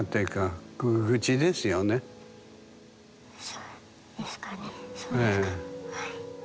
そうですかはい。